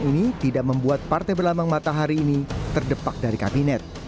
ini tidak membuat partai berlambang matahari ini terdepak dari kabinet